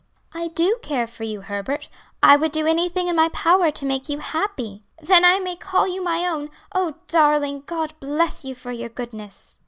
"I do care for you, Herbert; I would do anything in my power to make you happy." "Then I may call you my own! Oh, darling, God bless you for your goodness!"